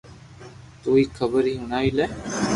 تو ھي خبر ھي ھڻاوي لي